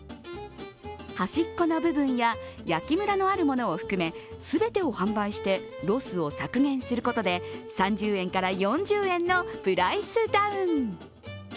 端っこの部分や、焼きムラのあるものを含め、全てを販売してロスを削減することで３０円から４０円のプライスダウン。